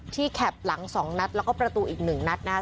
แข็บหลัง๒นัดแล้วก็ประตูอีก๑นัดนะครับ